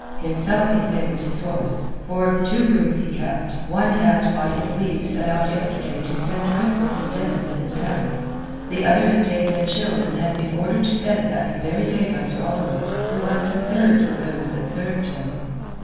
Himself he stabled his horse; for of the two grooms he kept, one had by his leave set out yesterday to spend Christmas in Devon with his parents, the other had taken a chill and had been ordered to bed that very day by Sir Oliver, who was considerate with those that served him.